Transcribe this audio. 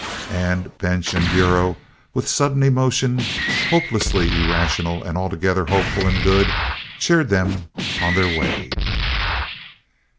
And bench and Bureau, with sudden emotion, hopelessly irrational and altogether hopeful and good, cheered them on their way.